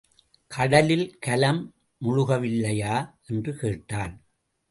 கடலில் கலம் முழுகவில்லையா? என்று கேட்டான்.